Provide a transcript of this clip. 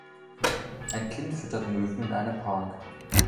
Ein Kind füttert Möwen in einem Park.